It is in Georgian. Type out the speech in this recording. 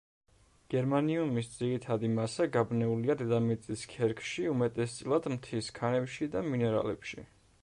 გერმანიუმის ძირითადი მასა გაბნეულია დედამიწის ქერქში უმეტესწილად მთის ქანებში და მინერალებში.